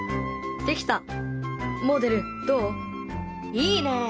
いいね！